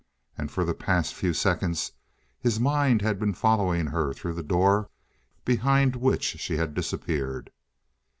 And for the past few seconds his mind had been following her through the door behind which she had disappeared.